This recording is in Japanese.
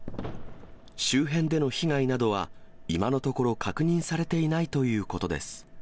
周辺での被害などは今のところ確認されていないということです。